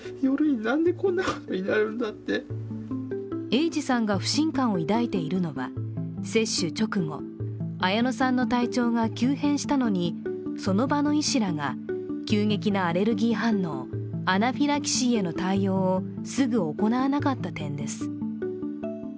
英治さんが不信感を抱いているのは接種直後、綾乃さんの体調が急変したのにその場の医師らが急激なアレルギー反応＝アナフィラキシーへの対応をすぐ行わなかった点です。